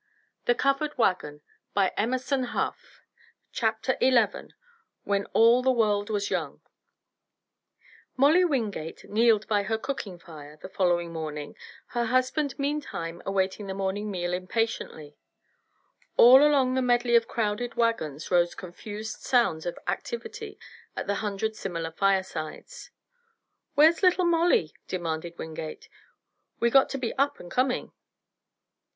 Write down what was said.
He's fitten, an' he's fout an' proved hit" CHAPTER XI WHEN ALL THE WORLD WAS YOUNG Molly Wingate kneeled by her cooking fire the following morning, her husband meantime awaiting the morning meal impatiently. All along the medley of crowded wagons rose confused sounds of activity at a hundred similar firesides. "Where's Little Molly?" demanded Wingate. "We got to be up and coming."